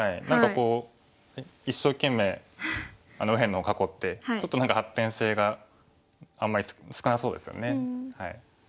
何かこう一生懸命右辺の方囲ってちょっと何か発展性があんまり少なそうですよね。